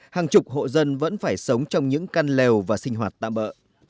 hàng chục hộ dân vẫn phải sống trong những căn lèo và sinh hoạt tạm bỡ